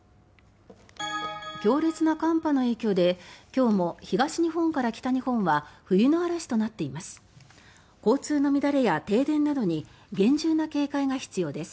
強烈な寒波の影響で今日も東日本から北日本は冬の嵐となっています。